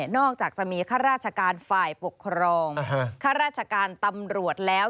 อกจากจะมีข้าราชการฝ่ายปกครองข้าราชการตำรวจแล้ว